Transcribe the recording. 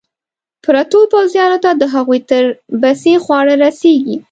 پرتو پوځیانو ته د هغوی تر بسې خواړه رسېږي.